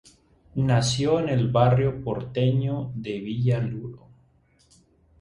Nació en el barrio porteño de Villa Luro.